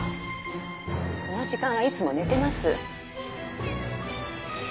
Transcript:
その時間はいつもねてます。